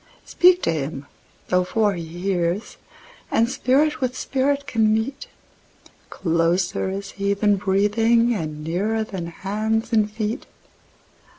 Speak to Him thou for He hears, and Spirit with Spirit can meet—Closer is He than breathing, and nearer than hands and feet.